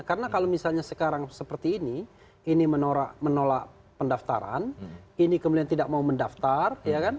karena kalau misalnya sekarang seperti ini ini menolak pendaftaran ini kemudian tidak mau mendaftar